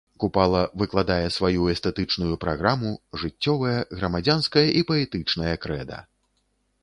Купала выкладае сваю эстэтычную праграму, жыццёвае, грамадзянскае і паэтычнае крэда.